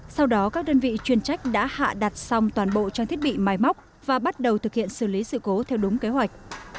sau đó các đơn vị chuyên trách đã hạ đặt xong toàn bộ trang thiết bị máy móc và bắt đầu thực hiện xử lý sự cố theo đúng kế hoạch